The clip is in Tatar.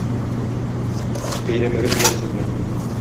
Бәйрәмегез белән сезне!